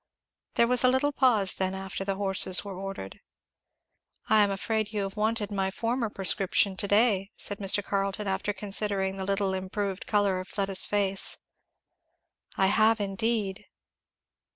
There was a little pause then after the horses were ordered. "I am afraid you have wanted my former prescription to day," said Mr. Carleton, after considering the little improved colour of Fleda's face. "I have indeed."